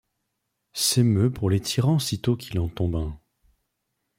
S'émeut pour les tyrans sitôt qu'il en tombe un